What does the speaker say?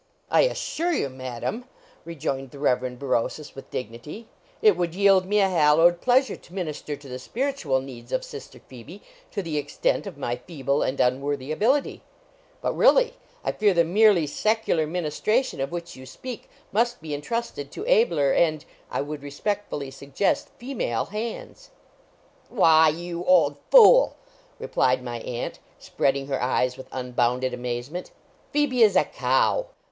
"I assure you, madam," rejoined the Rev. Berosus, with dignity, "it would yield me a hallowed pleasure to minister to the spiritual needs of sister Phoebe, to the extent of my feeble and unworthy ability; but, really, I fear the merely secular ministration of which you speak must be entrusted to abler and, I would respectfully suggest, female hands." "Whyyy, youuu ooold, foooool!" replied my aunt, spreading her eyes with unbounded amazement, "Phoebe is a cow!"